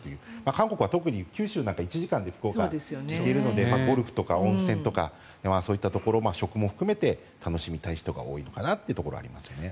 韓国は特に九州に１時間で着くのでゴルフとか温泉とかそういったところ食も含めて楽しみたい人が多いのかなというところはありますね。